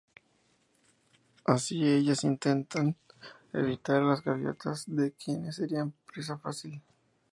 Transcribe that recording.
Así ellas intentan evitar a las gaviotas de quienes serían presa fácil.